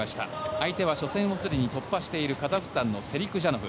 相手は初戦をすでに突破しているカザフスタンのセリクジャノフ。